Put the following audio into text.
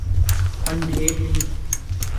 اندھیر نہیں۔